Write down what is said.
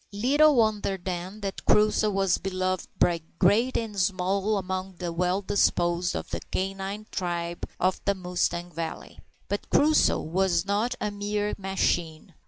Little wonder, then, that Crusoe was beloved by great and small among the well disposed of the canine tribe of the Mustang Valley. But Crusoe was not a mere machine.